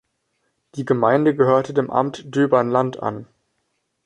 Die Gemeinde gehörte dem Amt Döbern-Land an.